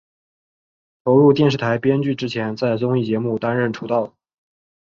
投入电视剧编剧之前在综艺节目担任出道。